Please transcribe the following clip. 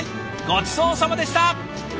ごちそうさまでした！